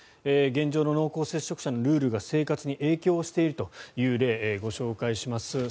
現状の濃厚接触者のルールが生活に影響しているという例をご紹介します。